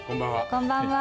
こんばんは。